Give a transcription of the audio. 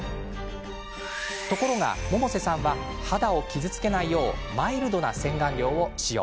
ところが百瀬さんは肌を傷つけないようマイルドな洗顔料を使用。